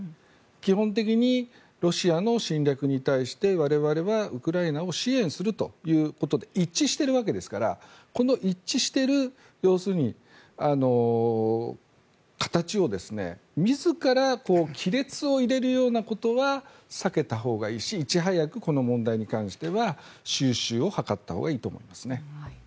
基本的にロシアの侵略に対して我々はウクライナを支援するということで一致しているわけですからこの一致している要するに、形を自ら亀裂を入れるようなことは避けたほうがいいしいち早くこの問題に対しては収拾を図ったほうがいいと思いますね。